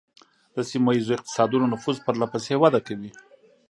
د سیمه ایزو اقتصادونو نفوذ پرله پسې وده کوي